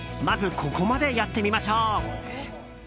まずここまでやってみましょう。